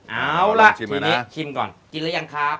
เอาล่ะนายกินแล้วยังครับ